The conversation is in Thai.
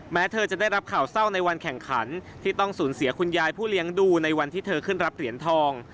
แม้เธอจะได้รับข่าวเศร้าในวันแข่งขันที่ต้องสูญเสียคุณยายผู้เลี้ยงดูในวันที่เธอขึ้นรับเหรียญทอง